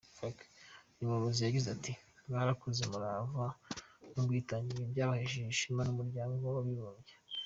Uyu muyobozi yagize ati : “Mwakoranye umurava n’ubwitange, ibi byahesheje ishema umuryango w’abibumbye.”